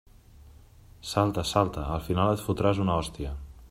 Salta, salta, al final et fotràs una hòstia.